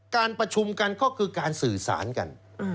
การประชุมกันก็คือการสื่อสารกัน